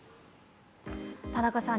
田中さん